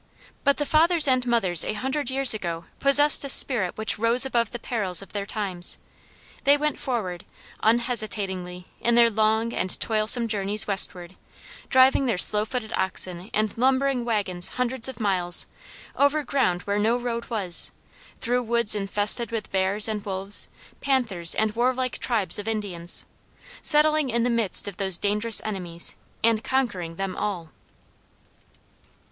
But the fathers and mothers a hundred years ago possessed a spirit which rose above the perils of their times. They went forward, unhesitatingly, in their long and toilsome journeys westward, driving their slow footed oxen and lumbering wagons hundreds of miles, over ground where no road was; through woods infested with bears and wolves, panthers and warlike tribes of Indians; settling in the midst of those dangerous enemies, and conquering them all.